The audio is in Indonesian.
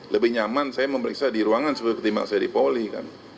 lebih nyaman saya memeriksa di ruangan seperti ketimbang saya di poli kan